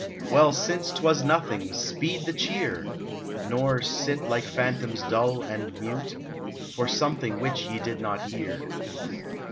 Well, since 't was nothing, speed the cheer ! Nor sit like phantoms dull and mute, For something which ye did not hear.